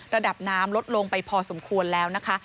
ระดับน้ำลดลงไปพอสมควรแล้วนะคะ